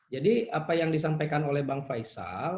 jadi apa yang disampaikan oleh bang faisal